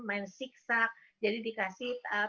main siksa jadi dikasih